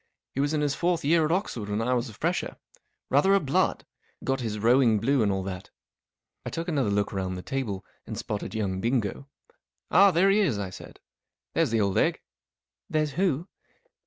He was in his fourth year at Oxford when I was a fresher. Rather a blood. Got his rowing blue and all that." I took another look round the table, and spotted young Bingo. " Ah, there he is," I said. " There's the old egg*" " There's who